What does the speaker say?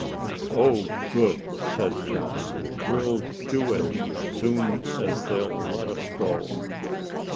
"Oh, good," said Johnny. "We'll do it, soon as they'll let us go."